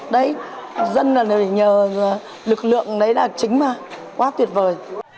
đấy dân là để nhờ lực lượng đấy đạt chính mà quá tuyệt vời